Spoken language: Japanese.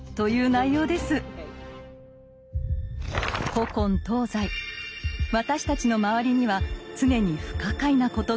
古今東西私たちの周りには常に不可解なことがあふれています。